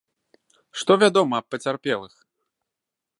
Што вядома аб пацярпелых?